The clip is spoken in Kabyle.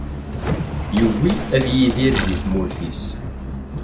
Yugi ad yidir deg tmurt-is.